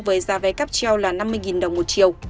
với giá vé cắt treo là năm mươi đồng một chiều